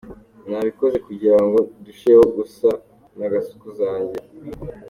Nabikoze kugira ngo ndusheho gusa na gasuku zanjye.